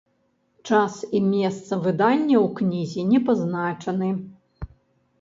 Час і месца выдання ў кнізе не пазначаны.